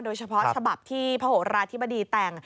โดยเฉพาะฉบับที่พรธิบดีแต่ง